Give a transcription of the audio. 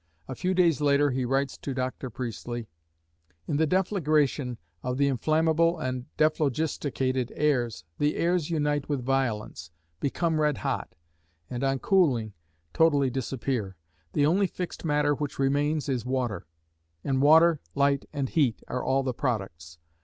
A few days later, he writes to Dr. Priestley: In the deflagration of the inflammable and dephlogisticated airs, the airs unite with violence become red hot and, on cooling, totally disappear. The only fixed matter which remains is water; and water, light, and heat, are all the products.